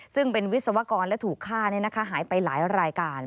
ซึ่งเป็นวิศวกรและถูกฆ่าหายไปหลายรายการ